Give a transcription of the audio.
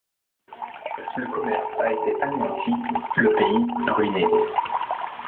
Le commerce a été anéanti, le pays ruiné.